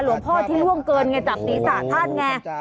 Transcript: หลวงพ่อที่ล่วงเกินจากนิสัตว์ท่านไง